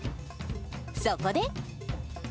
そこで。